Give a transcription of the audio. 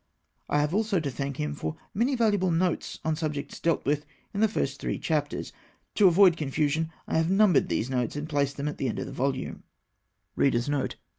I have also to thank him for many valuable notes on subjects dealt with in the first three chapters. To avoid confusion, I have numbered these notes, and placed them at the end of the volume.